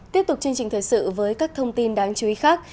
tiếp tục chương trình thời sự với các thông tin đáng chú ý khác